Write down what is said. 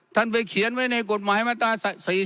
ท่านไปเขียนไว้ในกฎหมายมาตั้ง๔๙วัน